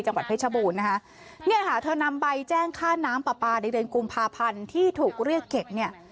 จังหวัดเพชรบูรณ์นะคะเนี่ยค่ะเธอนำใบแจ้งค่าน้ำปลาปลาในเดือนกุมภาพันธ์ที่ถูกเรียกเก็บเนี่ย